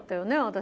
私。